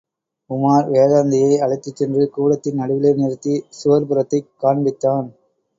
உமார், வேதாந்தியை அழைத்துச்சென்று கூடத்தின் நடுவிலே நிறுத்தி சுவர்ப்புறத்தைக் காண்பித்தான்.